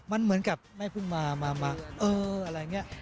มันเหมือนกับแม่เพิ่งมาเอออะไรอย่างนี้